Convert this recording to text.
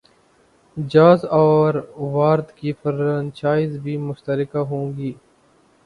jazz اور وارد کی franchise بھی مشترکہ ہوں گی